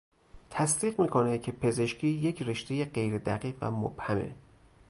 تصدیق میکنه که پزشکی یک رشته غیر دقیق و مبهمه